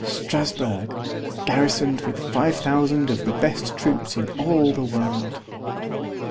Strasburg, garrisoned with five thousand of the best troops in all the world!